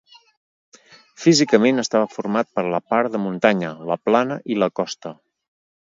Físicament estava format per la part de muntanya, la plana i la costa.